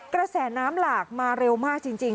กระแสน้ำหลากมาเร็วมากจริง